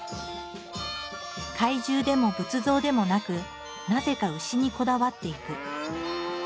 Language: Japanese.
怪獣でも仏像でもなくなぜか牛にこだわっていく。